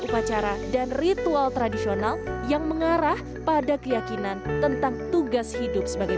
upacara dan ritual tradisional yang mengarah pada keyakinan tentang tugas hidup sebagai